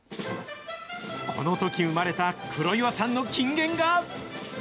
このとき生まれた黒岩さんの金言が。